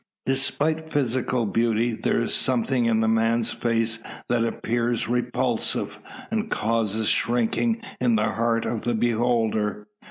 Despite physical beauty, there is something in the man's face that appears repulsive, and causes shrinking in the heart of the beholder.